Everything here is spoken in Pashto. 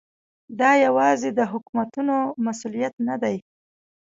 دا یوازې د حکومتونو مسؤلیت نه دی.